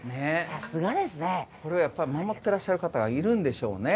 さすがですね。これをやっぱり守ってらっしゃる方がいるんでしょうね。